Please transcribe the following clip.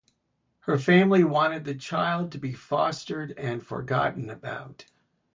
Her family wanted the child to be fostered and forgotten about.